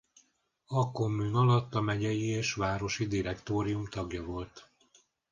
A kommün alatt a megyei és városi direktórium tagja volt.